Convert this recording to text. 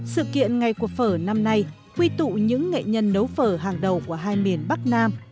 sự kiện ngày của phở năm nay quy tụ những nghệ nhân nấu phở hàng đầu của hai miền bắc nam